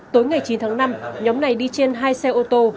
tối ngày chín tháng năm nhóm này đi trên hai xe ô tô